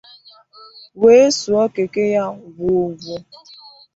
wee suo Keke ya gwogwoo.